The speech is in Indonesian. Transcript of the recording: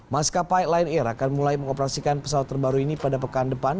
maskapai lion air akan mulai mengoperasikan pesawat terbaru ini pada pekan depan